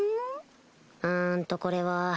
うんとこれは